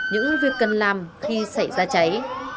những việc cần làm khi xảy ra cháy